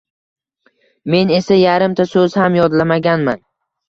Men esa yarimta so`z ham yodlamaganman